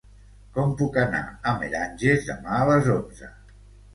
Com puc anar a Meranges demà a les onze?